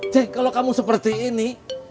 cik kalau kamu seperti ini